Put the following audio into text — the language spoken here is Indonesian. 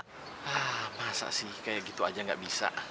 hah masa sih kayak gitu aja nggak bisa